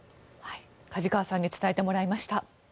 梶川さんに伝えてもらいました。